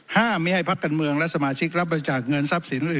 ห้ามไม่ให้พักการเมืองและสมาชิกรับบัจจากเงินทรัพย์สิน